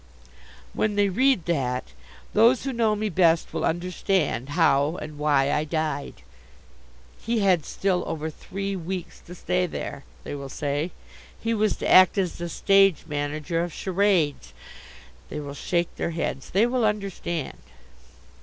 When they read that, those who know me best will understand how and why I died. "He had still over three weeks to stay there," they will say. "He was to act as the stage manager of charades." They will shake their heads. They will understand.